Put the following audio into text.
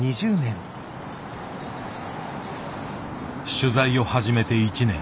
取材を始めて１年。